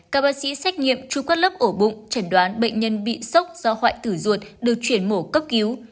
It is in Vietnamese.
các bác sĩ xét nghiệm chu các lớp ổ bụng chẩn đoán bệnh nhân bị sốc do hoại tử ruột được chuyển mổ cấp cứu